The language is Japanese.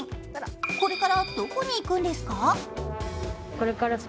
これからどこに行くんですか。